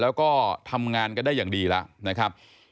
แล้วก็ทำงานกันได้อย่างดีแล้วนะครับ